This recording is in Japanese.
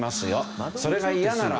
それが嫌なら